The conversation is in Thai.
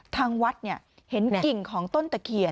ทางวัดเห็นกิ่งของต้นตะเคียน